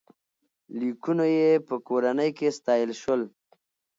لیکونو یې په کورنۍ کې ستایل شول.